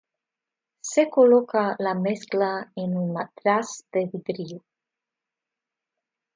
Se coloca la mezcla en un matraz de vidrio.